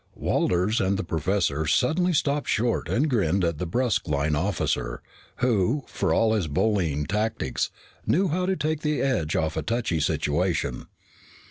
Walters and the professor suddenly stopped short and grinned at the brusque line officer, who, for all his bullying tactics, knew how to take the edge off a touchy situation.